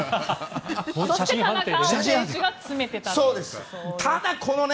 写真判定でね。